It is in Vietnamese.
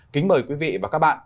kính mời quý vị và các bạn